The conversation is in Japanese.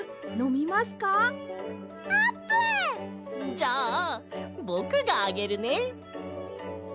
じゃあぼくがあげるね！